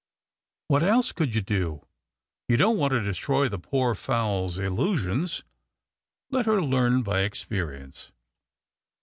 " What else could you do ? You don't want to destroy the poor fowl's illusions. Let her learn by experience."